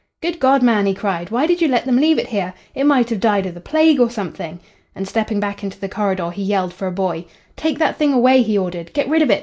"'Good God, man,' he cried, 'why did you let them leave it here? It might have died of the plague or something.' And, stepping back into the corridor, he yelled for a boy. 'Take that thing away,' he ordered. 'Get rid of it.